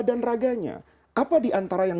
dan raganya apa diantara yang